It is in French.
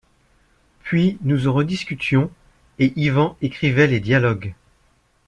Puis nous en rediscutions, et Yvan écrivait les dialogues.